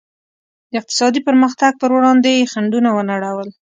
د اقتصادي پرمختګ پر وړاندې یې خنډونه ونړول.